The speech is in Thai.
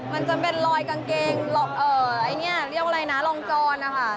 มันจะเป็นรอยกางเกงลองจรนะคะ